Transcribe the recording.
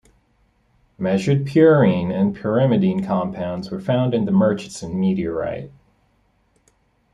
Measured purine and pyrimidine compounds were found in the Murchison meteorite.